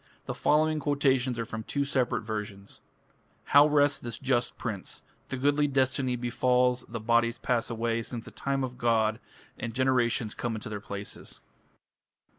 The following quotations are from two separate versions: How rests this just prince! The goodly destiny befalls, The bodies pass away Since the time of the god, And generations come into their places.